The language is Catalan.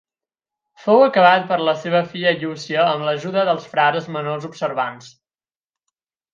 Fou acabat per la seva filla Llúcia, amb l'ajuda dels frares Menors Observants.